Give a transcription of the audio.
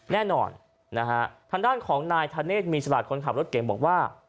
แน่นอนนะฮะทางด้านของนายธเนธมีสลากคนขับรถเก่งบอกว่า